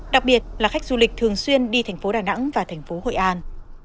đặc biệt là khách du lịch thường xuyên đi tp đà nẵng và tp hội an